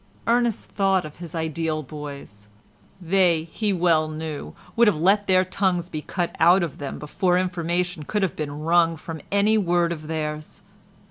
Ernest thought of his ideal boys: they, he well knew, would have let their tongues be cut out of them before information could have been wrung from any word of theirs.